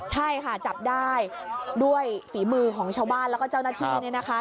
ใช่ค่ะจับได้ด้วยฝีมือของชาวบ้านแล้วก็เจ้าหน้าที่เนี่ยนะคะ